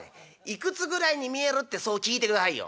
いくつぐらいに見えるってそう聞いてくださいよ」。